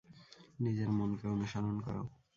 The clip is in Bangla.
নিজের মনকে অনুসরণ করো।